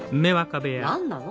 ・何なの？